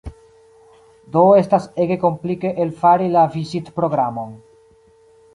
Do estas ege komplike elfari la vizitprogramon.